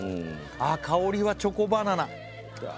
あ香りはチョコバナナああ